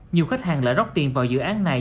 nhiều khách hàng lại rót tiền vào dự án này